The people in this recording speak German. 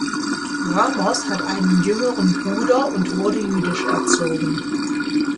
Ramos hat einen jüngeren Bruder und wurde jüdisch erzogen.